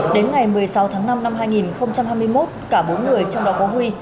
đến ngày một mươi sáu tháng năm năm hai nghìn hai mươi một cả bốn người trong đó có huy